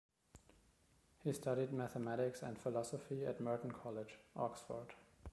He studied mathematics and philosophy at Merton College, Oxford.